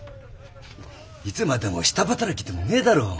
いつまでも下働きでもねえだろ。